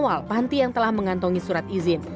awal panti yang telah mengantongi surat izin